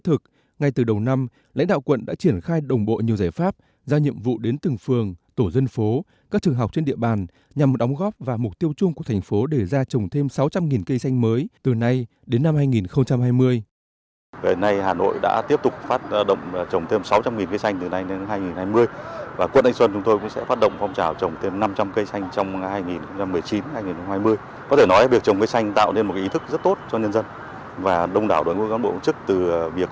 cũng cần được nâng cao hơn nữa để